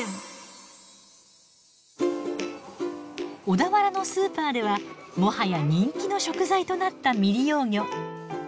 小田原のスーパーではもはや人気の食材となった未利用魚。